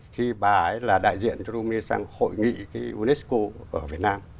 khi bà ấy là đại diện cho romani sang hội nghị unesco ở việt nam